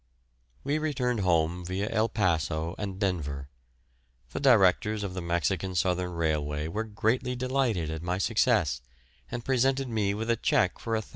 We returned home via El Paso and Denver. The directors of the Mexican Southern Railway were greatly delighted at my success, and presented me with a cheque for £1,000.